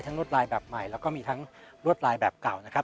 ลวดลายแบบใหม่แล้วก็มีทั้งลวดลายแบบเก่านะครับ